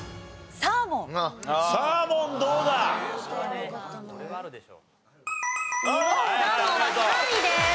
サーモンは３位です。